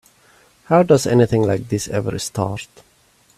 How does anything like this ever start?